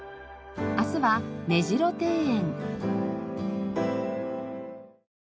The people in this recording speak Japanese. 明日は目白庭園。